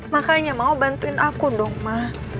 makanya mau bantuin aku dong ma